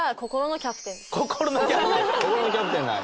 「心のキャプテン」